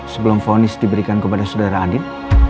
sebelum fonis diberikan kepada saudara adin